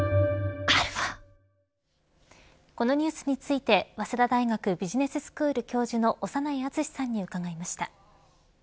このニュースについて早稲田大学ビジネススクール教授の長内厚さんに伺いました。